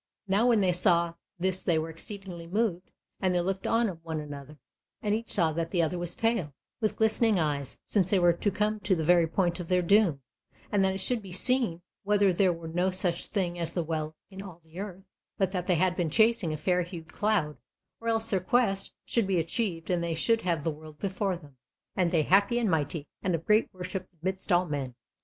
Now when they saw this they were exceedingly moved and they looked on one another, and each saw that the other was pale, with glistening eyes, since they were to come to the very point of their doom, and that it should be seen whether there were no such thing as the Well in all the earth, but that they had been chasing a fair hued cloud; or else their Quest should be achieved and they should have the world before them, and they happy and mighty, and of great worship amidst all men.